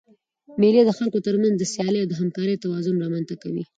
مېلې د خلکو تر منځ د سیالۍ او همکارۍ توازن رامنځ ته کوي.